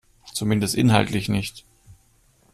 Zumindest inhaltlich nicht.